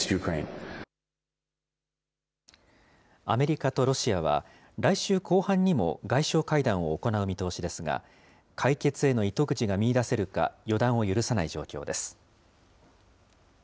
アメリカとロシアは、来週後半にも外相会談を行う見通しですが、解決への糸口が見いだせるか、予断を許さない状況です。